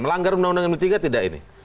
melanggar undang undang md tiga tidak ini